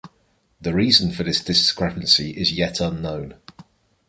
The reason for this discrepancy is yet unknown.